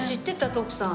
徳さん。